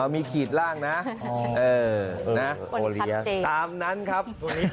มีขีดร่างนะตามนั้นครับ